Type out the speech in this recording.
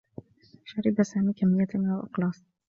شرب سامي كمّيّة من الأقراص.